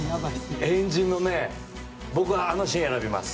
円陣の僕、あのシーン選びます。